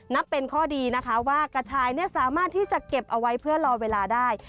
นับเป็นข้อดีนะคะว่ากระชายสามารถที่จะเก็บเอาไว้เพื่อรอเวลาได้